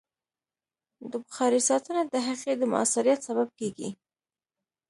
د بخارۍ ساتنه د هغې د مؤثریت سبب کېږي.